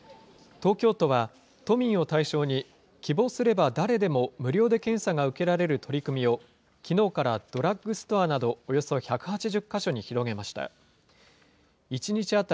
東京都は、都民を対象に希望すれば誰でも無料で検査が受けられる取り組みを、きのうからドラッグストアなどおよそ１８０か所に広げました。